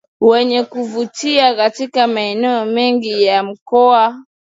wenye kuvutia katika maeneo mengi ya mkoa